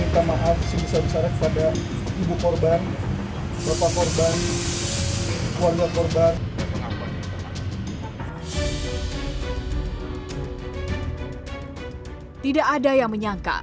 tidak ada yang menyangka